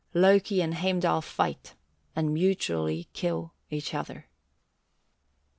Loki and Heimdall fight, and mutually kill each other.